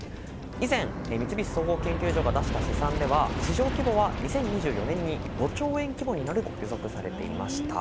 以前、三菱総合研究所が出した試算では市場規模は２０２４年に５兆円規模になると予測されていました。